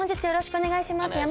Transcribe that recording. よろしくお願いします。